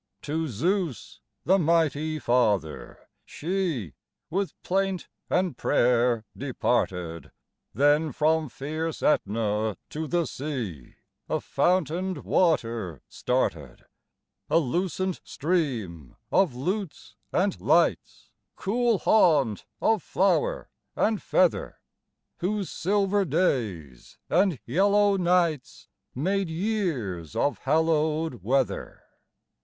To Zeus, the mighty Father, she, with plaint and prayer, departed: Then from fierce Aetna to the sea a fountained water started A lucent stream of lutes and lights cool haunt of flower and feather, Whose silver days and yellow nights made years of hallowed weather.